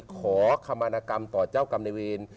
ขอขมานกรรมต่อเจ้ากรรมในเวร